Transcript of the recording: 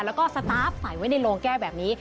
แล้วก็สตาร์ฟใส่ไว้ในโรงแก้วแบบนี้